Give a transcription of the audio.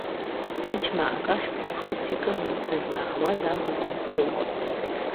Аџьма акахьп ҳәа хыс икыма, дызлаауаз ала днаскьоит.